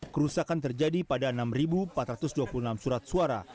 kerusakan terjadi pada enam empat ratus dua puluh enam surat suara